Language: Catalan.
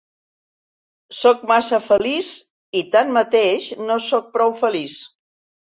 Sóc massa feliç i, tanmateix, no sóc prou feliç.